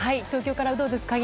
東京から有働です。